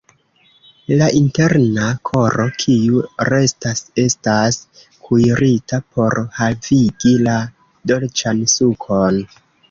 La interna koro kiu restas estas kuirita por havigi la dolĉan sukon.